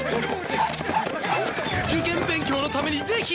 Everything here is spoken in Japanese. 受験勉強のためにぜひ！